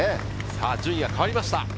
順位が変わりました。